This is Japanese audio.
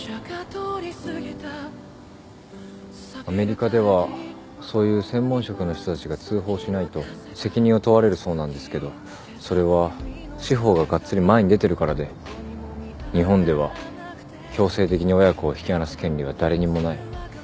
アメリカではそういう専門職の人たちが通報しないと責任を問われるそうなんですけどそれは司法ががっつり前に出てるからで日本では強制的に親子を引き離す権利は誰にもない。